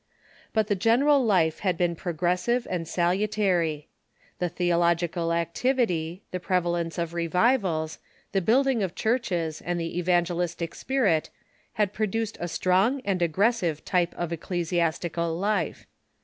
But the general life had been progres sive and salutary. The theological activity, the prevalence of revivals, the building of churches, and the evangelistic spirit had produced a strong and aggressive type of ecclesiastical life.